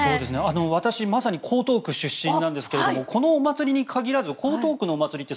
私まさに江東区出身なんですがこのお祭りに限らず江東区のお祭りって